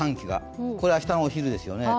これ、明日のお昼ですよね。